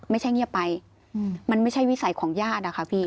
เงียบไปมันไม่ใช่วิสัยของญาติอะค่ะพี่